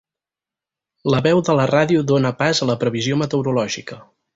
La veu de la ràdio dóna pas a la previsió meteorològica.